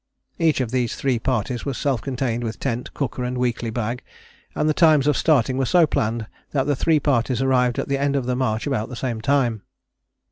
Each of these three parties was self contained with tent, cooker and weekly bag, and the times of starting were so planned that the three parties arrived at the end of the march about the same time.